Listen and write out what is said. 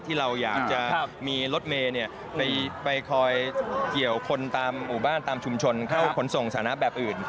ที่เราอยากจะมีรถเมย์ไปคอยเกี่ยวคนตามหมู่บ้านตามชุมชนเข้าขนส่งสถานะแบบอื่น